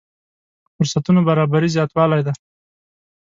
فرصتونو برابري زياتوالی دی.